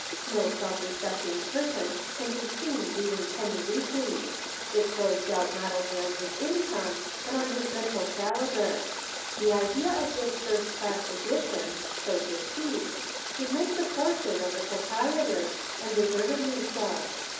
No self respecting person can be seen reading penny weeklies it throws doubt not only on his income, but on his mental calibre. The idea of this first class edition (so to speak) should make the fortune of the proprietor, and deservedly so.